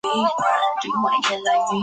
两个站厅在非付费区互不相通。